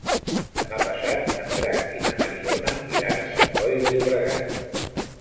Demà passat en Drac i na Mariona iran a Sant Boi de Llobregat.